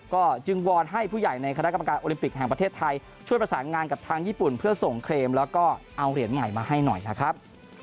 ก็จึงวอนให้ผู้ใหญ่ในคณะกรรมการโอลิมปิกแห่งประเทศไทยช่วยประสานงานกับทางญี่ปุ่นเพื่อส่งเครมแล้วก็เอาเหรียญใหม่มาให้หน่อยนะครับ